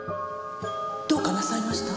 どうかなさいました？